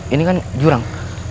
ini kan jurang